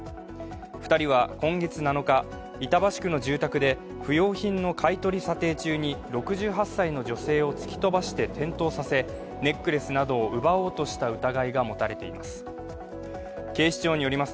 ２人は今月７日、板橋区の住宅で不要品の買い取り査定中に６８歳の女性を突き飛ばして転倒させ、ネックレスなどを奪おうとした疑いが持たれています。